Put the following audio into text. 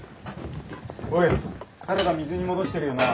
おいサラダ水に戻してるよな。